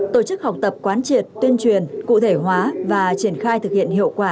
tổ chức học tập quán triệt tuyên truyền cụ thể hóa và triển khai thực hiện hiệu quả